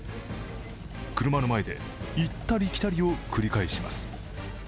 車の前で、行ったり来たりを繰り返します。